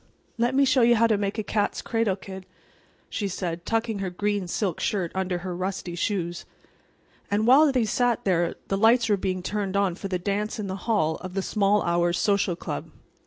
"Let me show you how to make a cat's cradle, kid," she said, tucking her green silk skirt under her rusty shoes. And while they sat there the lights were being turned on for the dance in the hall of the Small Hours Social Club.